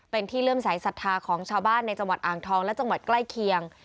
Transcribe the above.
เป็นที่เลื่อมสายศรัทธาของชาวบ้านในจังหวัดอ่างทองและจังหวัดใกล้เคียง